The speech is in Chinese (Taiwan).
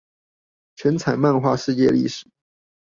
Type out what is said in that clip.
全彩漫畫世界歷史